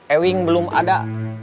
ewing belum ada